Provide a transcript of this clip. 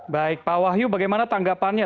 baik pak wahyu bagaimana tanggapannya